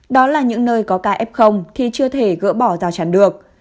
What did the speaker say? đó là những nơi có ca ép không thì chưa thể gỡ bỏ ra chẳng được